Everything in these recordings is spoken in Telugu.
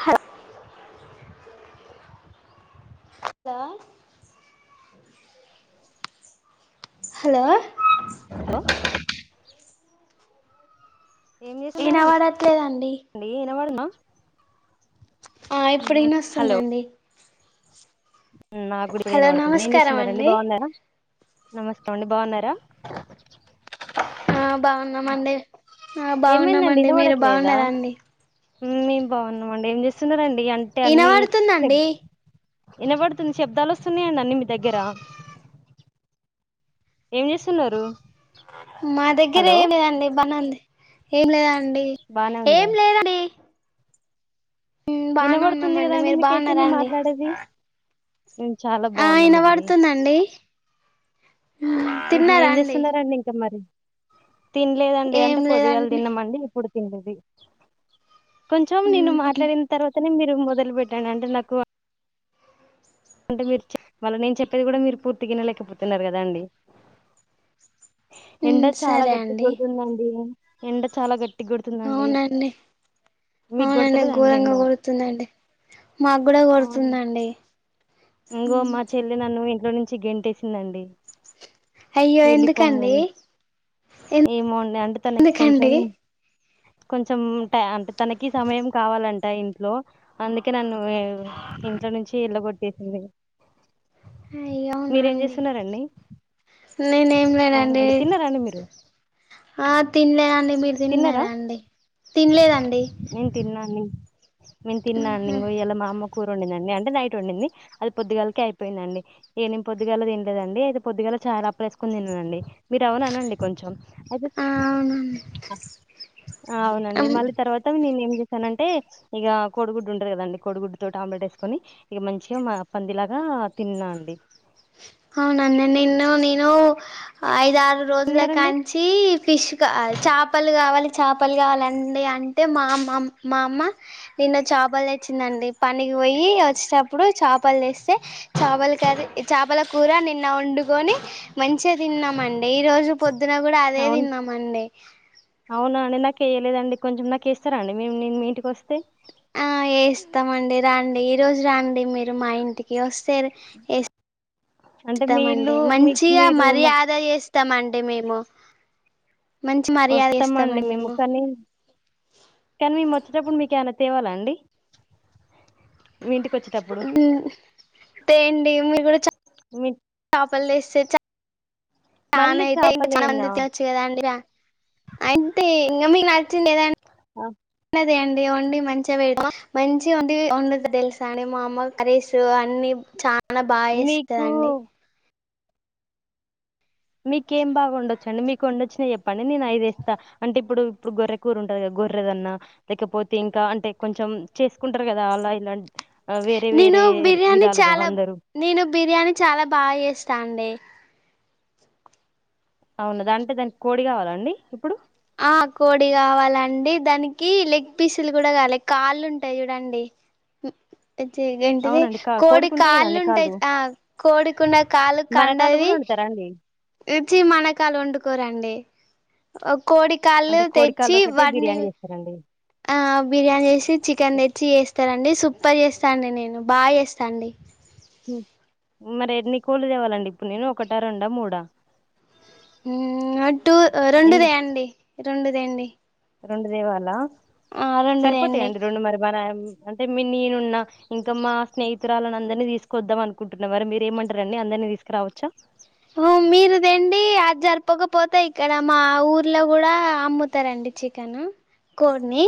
హ హలో హలో హలో ఏం చేస్తున్నారండి వినవడత లేదండి. వినబడుందా ఆ ఇప్పుడు నాకు హలో వినస్తుందండి. నాకు గుడా ఇప్పుడు ఇన హలో పడుతుంది నేం నమస్కారం చేస్తున్నరండి అండి బాగున్నారా నమస్తం అండి బాగున్నారా ఆ బాగున్నామండి ఆ బాగున్నామండి మీరు బాగున్నారా అండి. మేం బాగున్నాం అండి ఏం చేస్తున్నరండి అంటే అన్నీ వినబడుతుందండి వినబడుతుంది శబ్దాలు వస్తున్నాయండి అన్నీ మీ దగ్గరా ఏం చేస్తున్నారు. మా దగ్గర హలో ఏం లేదండి బనే ఉంది ఏం లేదండి. బానే అండి ఏం ఉందా లేదండి. మ్ బానే వినబడుతుంది కదా ఉన్నామండి అండి మీరు మీకైతే బాగున్నారా నేను అండి మాట్లాడేది. మేము చాలా ఆ బాగున్నామండి. వినబడుతుందండి తిన్నారా ఏం అండి చేస్తున్నారండి ఇంకా మరి తినలేదండి ఏం అంటే పొదుగాల లేదండి తిన్నామండి ఇప్పుడు తినలేదు. కొంచెం నేను మ్ హు మాట్లాడిన తర్వాతనే మీరు మొదలు పెట్టండి అంటే నాకు అంటే మీరు మళ్ళీ నేను చెప్పేది కూడా మీరు పూర్తి వినలేకపోతున్నారు కదా అండి. ఎండ మ్ చాలా సరే గట్టిగా అండి కొడుతుందండి ఎండ చాలా గట్టి గట్టిగా కొడుతుందండి. అవునండి మీకు అవునండి కొడతలేదండి ఘోరంగా ఎండ కొడుతుందండి మాకు కూడా కొడుతుందండి. ఇగో మా చెల్లి నన్ను ఇంట్లో నుండి గెంటేసిందండి. అయ్యో ఎందుకండి ఏమోండి అంటే తనకి కొంచెం ఎందుకండి కొంచం అంటే తనకి సమయం కావాలంట ఇంట్లో అందుకే నన్ను ఇంట్లో నుంచి ఏళ్ళ కొట్టేసింది అయ్యో అవునా మీరేం అండి చేస్తున్నరండి నేనేం లేనండి ఆ తినలేదండి మీరు తిన్నారా తింటన్నారా అండి తినలేదండి నేను తిన్నాండి నేను తిన్నా అండి ఇయ్యాల మా అమ్మ కూర వండిందండి అంటే నైట్ వండింది అది పొద్దుగాలకే అయిపోయిందండి నేను పొద్దుగాల తినలేదండీ అయితే పొద్దుగా చాలా అప్పలు వేసుకుని తిన్ననండి మీరు ఎవనా అనండి కొంచెం అయితే [inaudible] ఆ అవునండి మళ్ళీ తర్వాత నేను ఏం చేసానంటే ఇక కోడిగుడ్డు ఉంటాది కదండి కోడిగుడ్డు తో ఆమ్లెట్ వేసుకోని ఇగ మంచిగా పందిలా ఆ తిన్నా అండి అవునండి నిన్ను నేను ఐదు [unintelligible] రోజుల కాడా తిన్నారండి నుంచి ఫిష్ కా చేపలు కావాలి చేపలు కావాలండి అంటే మా అమ్మమ్ మా అమ్మ నేన్న చేపలు తే చ్చిందండి పనికి పోయి వచ్చేటప్పుడు చేపలు తేస్తే చేపల కర్రి ఇది చేపల కూర నిన్న వండుకొని మంచిగా తిన్నామండి ఈ రోజు పొద్ ద్దున కూడా అదే అవును తిన్నామండి చేయలేదండి కొంచెం నాకు ఇస్తార అండి నేను మీ ఇంటికి వస్తే ఆ వేస్తామండి రండి ఈ రోజు రండి మీరు మా ఇంటికి వస్తే స్తే ఎస్ అంటే మీ ఇల్లు స్తామండి మీ మంచిగా మీరు మాకు మర్యాదాగా వేస్తామ అండి మేము మంచి మర్యాద వస్తామండి ఇస్తామండి మేము కానీ కానీ మేము వచ్చ చ్చేటప్పుడు మీకు ఏమనా తేవాలండి డు ఏంది మీరు కూడా చ మీ చాపలు తీస్తే చ చానా మళ్ళీ అయితే ఇంకా చానా చేపలేనా మంది తినచ్చు కదా అండి అంతే ఇంకా మీ నచ్చిందిదంట ఆ రండి వండి మంచిగా పెడతా మంచి వన్ వండుతా తెలుసా నేను మామూలు కర్రీస్ అన్నీ చాలా చానా మీకు బాగచేస్తానండి మీకేం ఎమ్ బాగా వండొచ్చు అండి మీకు వండొచ్చిన చెప్పండి నేను అఐదేస్తా అంటే ఇప్పుడు ఇప్పుడు గొర్రె కూర ఉంటది గోర్రదన్నా లేకపోతే ఇంకా అంటే కొంచెం చేసుకుంటారు కదా అలా ఇలాంటి వేరే నేను వేరే బిర్యానీ విధాలుగా చాలా అందరూ నేను బిర్యానీ చాలా బాగా చేస్తా అండి. అవును అంటే దానికి కోడి కావాల అండి ఇప్పుడు ఆ కోడి కావాలండి దానికి లెగ్ పీసులు కూడా కావాలి కాళ్ళు ఉంటాయి చూడండి ఉ అది ఏంటిది అవునండి కా కోడి కోడికి ఉంటాయి కాళ్ళు కదండి ఉంటాయి ఆ కోడికున్న కాలు కండది రండి రుచి మనకాలు వండుకోరండి కోడి కాలు అంటే కోడి కాళ్ళు తెచ్చి ఒకటే వాటిని బిర్యానీ చేస్తారండి ఆ బిర్యానీ చేసి చికెన్ తెచ్చి చేస్తార అండి సూపర్ చేస్తాను అండి నేను బాగా చేస్తా అండి ఉ మరి ఎన్ని కోళ్లు తేవాలండి ఇప్పుడు నేను ఒకటా రెండా మూడా ఉ టు రెండు ఎన్ని తాండి రెండు తాండి రెండు తేవాలా రెండు తేండి సరిపోతయండి రెండు మరి అంటే మీ నేనున్న ఇంకా మా స్నేహితురాలని అందరినీ తీసుకొద్దాం అనుకుంటున్నా మరి మీరేమంటారండి అ అందరిని తీసుకురావచ్చు మీరుదండి అది జరపకపోతే ఇక్కడ మా ఊర్లో కూడా అమ్ముతారండి చికన్ కోడ్ని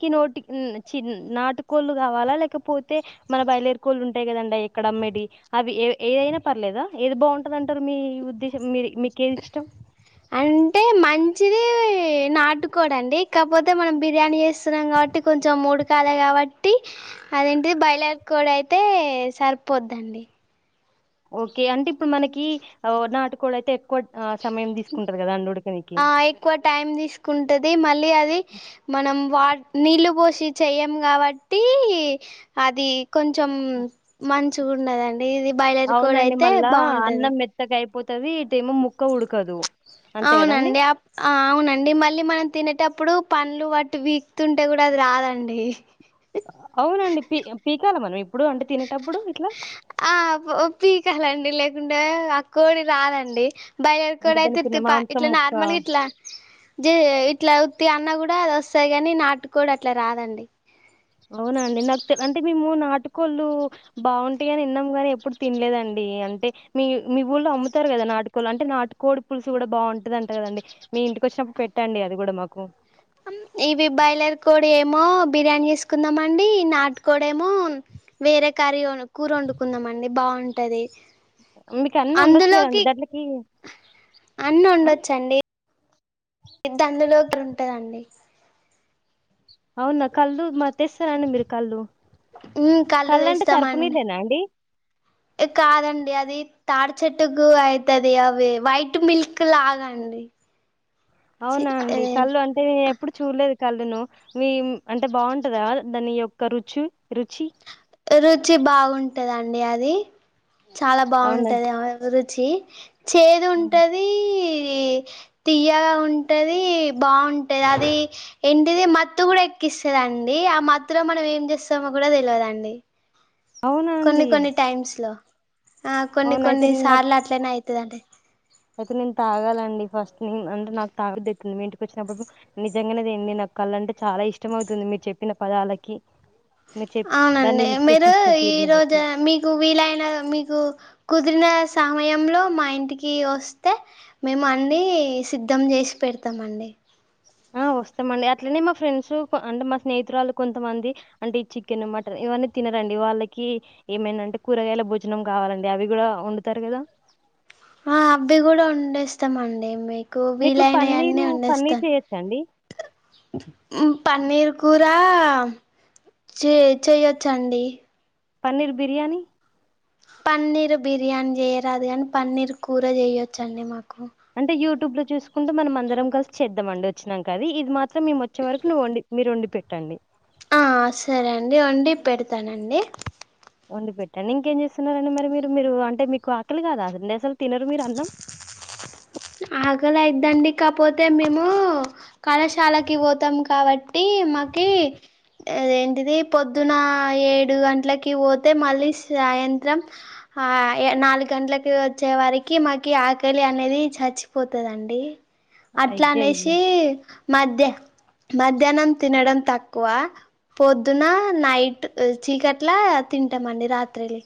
కి నోటిక్ న్ చిన్ నాటు కోళ్ళు కావాలా లేకపోతే మన బయేలేరు కోళ్ళు ఉంటాయి కదండి ఇక్కడ మ్ మెడి అవి ఏ ఏ అయినా పర్లేదా. ఏది బాగుంటరంటరు మీ ఉద్దేశం మీరి మీకు ఏది ఇష్టం అంటె ఎ మంచిది నాటుకోడండి కాకపోతే మనం బిర్యానీ చేస్తున్నాం కాబట్టి కొంచెం ఉడ్ డకాలే కాబట్టి అదేంటిది బాయిలర్ కోడి అయితే సరిపోద్దండి. ఓకే అంటే ఇప్పుడు మనకి ఒ నాటుకోడి అయితే ఎక్కువ ఆ సమయం తీసుకుంటది కదా అండి ఉడ్ ఆ ఎక్కువ టైం తీసుకుంటది మళ్ళీ అది మనం వాట్ నీళ్ళు పోసి చేయ్యము కాబట్టి అది కొంచెం మంచిగుండదండీ ఇది బాయిలర్ కోడి అయితే బాగుంటది. పోతది ఇట్ ఏమో ముక్క ఉడకదు. అంతే కదండి అవునండి అప్ ఆ అవునండి మళ్ళీ మనం తినే టప్ ప్పుడు పన్లు వట్టి వీకుతుంటే కూడా అది రాదండి అవునండి పీ పీకాల మనం ఇప్ ఆ పొ పీకాలన్ డి లేకుండే ఆ కోడి రాదండి. బాయిలర్ అంటే కోడి అయితే దానికి ఉన్న తి పా మాంసం ఇట్లా ముక్క నార్మలి ఇట్లా జే ఇట్లా ఉత్తిగా ఉన్నా కూడా అది వస్తాయి గాని నాటుకోడి అట్లా రాదండి. అవునండి నాకు తే అంటే మేము నాటుకోళ్ళు బాగుంటయి. అని ఇన్నం గాని ఎప్పుడు తినలేదన్ డి అంటే మీ మీ ఊళ్ళో అమ్ముతారు కదా నాటుకోళ్ళు. అంటే నాటుకోడి పులుసు కూడా బాగుంటదంట కదండి. మీ ఇంటికి వచ్చినప్పుడు పెట్టండి అది కూడా మాకు పేమో బిర్యానీ చేసుకుందామండి. నాటుకోడ్ ఏమో వేరే కర్రి వొన్ కూర వండుక్ కున్నాం అండి బాగుంటది. మీకు అన్నీ ఒండచ్చు కదండి దాంట్లకి అన్న్ ఆ ఒండొచ్చండి పెద్ద అందులో [inaudible] ఉంటదండి అవునా కళ్ళు మర్ తీస్తరా అండి మీరు కళ్ళు ఉమ్ కళ్ళు అంటే సరుపు తీస్తమండి నీళ్ళేనా అండి ఏ కాదండి అది తాడి చెట్టుకు అయితది అవి వైట్ మిల్క్ లాగా అండి అవునా అండి కళ్ళు అంటే ఎప్పుడు చూడలేద్ కళ్ళును మీమ్ అంటే బాగుంటదా దాని యొక్క రుచి రుచి రుచి బాగుంటదండి అది చాలా అవునా బాగుంటది [unintelligible] రు చి చేదు ఉంటదీ ఈ తియ్యగా ఉంటది బాగుంటది అది ఏంటిది మత్తు కూడా ఎక్ కిస్తదండి ఆ మత్తులో మనం ఏం చేస్తమో కూడా తెలవదండి అవునా అండి కొన్ని కొన్ని టైమ్స్ లో ఆ కొన్ని అవున అయితే కొన్ని నేను నాకు సార్లు అట్లనే అయితదంటే అయితే నేను తాగాలండి ఫస్ట్ నేన్ అంటే నాకు తాగబుద్ధ్ అయితుంది మీ ఇంటికి వచ్చినప్పుడు నిజంగానే తెండి నాకు కళ్ అంటే చాలా ఇష్టమవుతుంది మీర్ చెప్పిన పదాలకి అ మీరు చెప్ దాన్ని అవునండి మీరు విశ్లేషించిన ఈ తీరుని బట్టి రోజు మీకు వీలైన మీకు కుద్ దిరిన సమయంలో మా ఇంటికి ఒస్తే మేము అన్నీ సిద్ధం చేసి పెడ్ తమండి ఒస్తమండి అట్లనే మా ఫ్రెండ్సు కొ అంటే మా స్నేహితురాలు కొంతమంది అంటే చికెన్ మటన్ ఇవన్నీ తినరన్ అండి వాళ్ళకి ఏమైన అంటే కూరగాయల భోజనం కావాలండి అవి కూడా ఒండుతరు కదా ఆ అబ్బీ కూడా ఒండేస్తామండి మీ కు మీకు వీలైనయి అన్ని పన్నీరు పన్నీర్ ఒండేస్తాను చేయొచ్చండి ఉమ్ పన్నీర్ కూరా చే చేయొచ్చండి పన్నీర్ బిర్యానీ పన్నీర్ బిర్యానీ చేయరాదు కానీ పన్నీర్ కూర చేయొచ్చండి మాక్ అంటే యూట్యూబ్ లో చూసుకుంటు మనం అందరం కలిసి చేద్దామండి వచ్చినా కర్రీ ఇది మాత్రం. మేము వచ్చే వరకు నువ్వు వండి మీరు వండి పెట్టండి ఆహ్ సరే అండి వండి పెడతానండి వండి పెట్టండి ఇంకేం చేస్తున్నారండి మరి మీరు మీరు అంటే మీకు ఆకలి కాదా నేసలు తినరు మీరు అన్నం అ ఆకలయిద్దండి కాకపోతే మేము కళాశాలకి పోతాం కాబట్టి ఇ మాకి అదేంటిది పొద్దున ఏడు గంటలకి పోతే మళ్ళీ సాయంత్రం హా ఇగ నాలుగు గంటలకి వచ్చే వారికి మాకి ఆకలి అనేది చ చచ్చిపోతదండి అట్లా అయ్యయ్యో అనేసి అయ్యో మధ్య మధ్యాహ్నం తినడం తక్కువ పొద్దున నైట్ చీకట్లా తింటాం అండి రాత్రిలి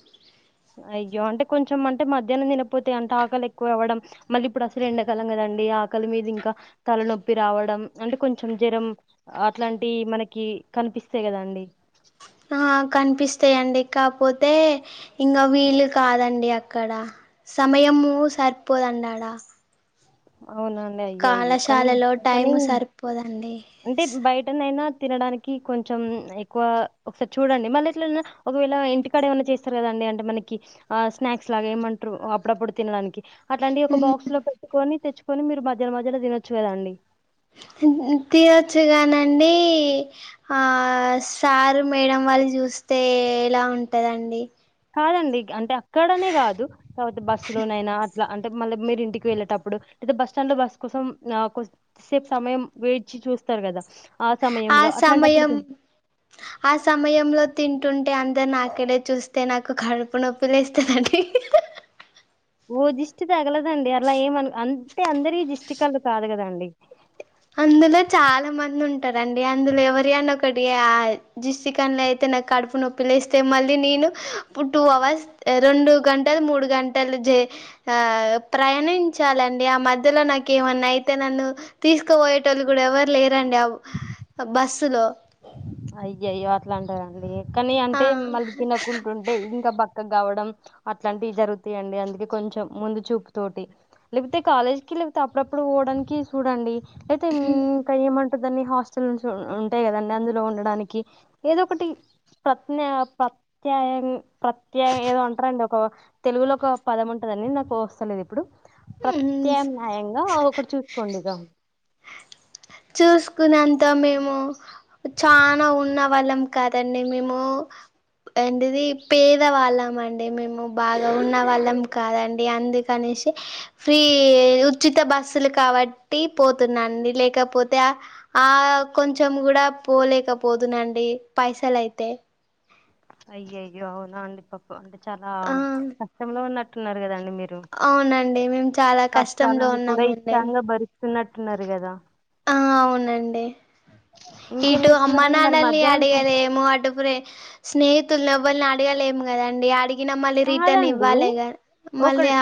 అయ్యో అంటే కొంచెం అంటే మధ్యాహ్నం తినపోతే అంటే ఆకలి ఎక్కువ అవ్వడం మళ్ళీ ఇప్పుడు అసలే ఎండకాలం కదండి ఆకలి మీద ఇంక తలనొప్పి రావడం అంటే కొంచెం జ్వరం అట్లాంటి మనకి కనిపిస్తయ్ కదాండి ఆ కనిపిస్తాయండి కాపోతే ఇంగ వీలు కాదండి అక్కడ సమయము సరిపోద్ అండి ఆడ అవునండి అయ్యయో కానీ కళాశాలలో కానీ టైము సరిపోదండి అంటే బయటనైనా తినడానికి కొంచెం ఎక్కువ ఒకసారి చూడండి మళ్ళీ ఎట్ల అన్న ఒకవేళ ఇంటికాడ ఏమన్నా చేస్తారు కద అ అంటే మనకి ఆ స్నాక్స్ లాగా ఏమంట్రు అప్పుడప్పుడు తినడానికి అట్లాంటి ఒక బాక్స్ లో మ్మ్ పెట్టుకొని తెచ్చుకొని మీరు మధ్యలో మధ్యలో తినొచ్చు కదండి తినొచ్చు కానండి ఆ సారు మేడం వాళ్ళు చూస్ స్తే ఎలా ఉంటదండి కాదండి అంటే అక్కడనే కాదు తర్వాత బస్సు లోనైనా అంటే మళ్ళి మీరు ఇంటికి వెళ్ళేటప్పుడు అయితే బస్ స్టాండ్ లో బస్ కోసం నా కొ సేపు సమయం వెయిట్ చూస్తారు కదా ఆ సమయంలో అట్లాంటప్పుడు సమయం తిన్ ఆ సమయంలో తింటుంటే అం త నాక్కడే చూస్తే నాకు కడుపు నొప్పి లేస్తాదండీ ఓ దిష్టి తగలదండి అలా ఏమను అంటే అందరీ దిష్టి కళ్ళు కాదు కద అండి అందులో చాలా మంది ఉంటారండి అందులో ఎవరి అన్న ఒకటి ఆ దిష్టికళ్ళు అయితే కడుపు నొప్పి లేస్తే మళ్ళీ నేను ఇప్పుడ్ టూ అవర్స్ రెండు గంటలు మూడు గంటలు ఆ ప్రయాణంచాలండి ఆ మధ్యలో నాకు ఏమన్నా అయితే నన్ను తీసు క్కుపోయేటోళ్ళు కూడా ఎవరు లేరండి బస్సు లో అయ్యయ్యో అట్లా అంటారండి కానీ ఆ అంటే మళ్ళీ తినక్కుంటుంటే ఇంకా బ క్కగ అవ్వడం అట్లాంటివి జరుగుతాయండి అందుకే కొంచెం ముందు చూపు తోటి లేకపోతే కాలేజ్ కి లేతే అప్పుడప్పుడు పోవడానికి చూడండి అయితే ఇంకెంమంటారు దాన్ని హాస్టల్ నుంచి ఉంటాయ్ కదండి అందులో ఉండ దానికి ఏదో ఒకటి ప్రత్న ప్రత్యయగ్ ప్రత్య ఏదో అంటారని చె ఒక తెలుగులో ఒక పదం ఉంటదండి నాకు వస్తలేదు ఇప్పుడు ప్రత్యామ్నాయంగా ఒకరు చూసుకోండి ఇగా చూసుకున్నంత మేము చనా ఉన్న వాళ్ళం కాదండి మేము ఏంటిది పేదవాళ్ళం అండి మేము బాగా ఉన్న వాళ్ళం కాదండి అందుకనేసి ఫ్రీ ఉచిత బస్సులు కాబట్టి పోతున్నాండి లేకపో పోతే ఆ కొంచెం కూడా పోలేకపోదునండి పైసలయితే అయ్యయ్యో అవునా అండి పకు అంటే చాలా ఆ కష్టంలో ఉన్నట్టున్నారు కదండి మీరు అవునండి మేము చాలా కష్టంలో కష్టాలని కూడా ఉన్నామండి ఇష్టంగా భరిస్తున్నట్టున్నారు కదా ఆ అవునండి ఇంకేం ఇటు అమ్మ చేస్తున్నారండి మరి నాన్నల్ని మధ్యాహ్నం తి అడిగాలేము అటు ప్రె స్నేహితులు వాళ్ళని అడగాలే ఏం కదండి అడిగినా మళ్ళీ రిటర్న్ కాదండి ఇవ్వాలిగ మళ్ళీ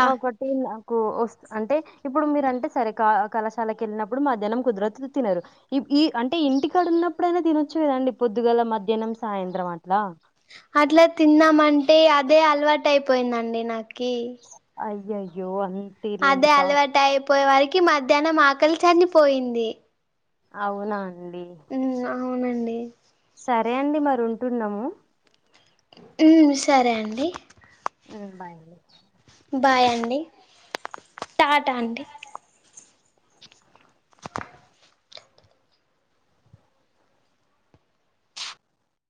ఓ అంటే ఇప్పుడు మీరుంటే సరే కళాశాలకు వెళ్ళినప్పుడు మాధ్యాహ్నం కుదరదు తినరు ఇప్పు ఈ అంటే ఇంటికాడ ఉన్నప్పుడైనా తినొచ్చు కదండి పొద్దుగల మధ్యాహ్నం సాయంత్రం అట్లా అట్లా తిందామంటే అదే అలవాటు అయిపోయిందండి నాకి అయ్యయ్యో అంత అదే అలవాటు అయిపోయే వారికి మధ్యాహ్నం ఆకలి చనిపోయింది అవునా అండి అవునండి సరే అండి మరి ఉంటున్నాము ఉమ్ సరే అండి ఉమ్ బాయ్ అండి బాయ్ అండి టాటా అండి